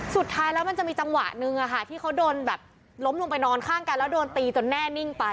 สุดท้ายแล้วมันจะมีจังหวะนึงที่เขาโดนแบบล้มลงไปนอนข้างกันแล้วโดนตีจนแน่นิ่งไป